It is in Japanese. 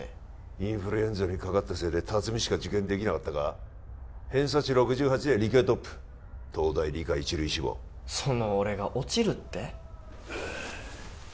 インフルエンザにかかったせいで龍海しか受験できなかったが偏差値６８で理系トップ東大理科Ⅰ類志望その俺が落ちるって？